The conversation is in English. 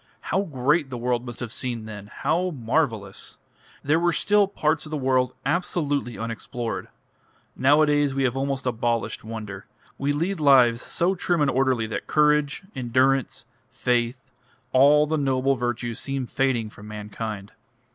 How great the world must have seemed then! How marvellous! They were still parts of the world absolutely unexplored. Nowadays we have almost abolished wonder, we lead lives so trim and orderly that courage, endurance, faith, all the noble virtues seem fading from mankind."